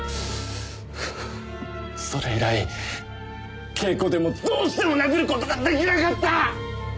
それ以来稽古でもどうしても殴る事が出来なかった！